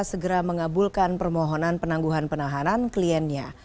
segera mengabulkan permohonan penangguhan penahanan kliennya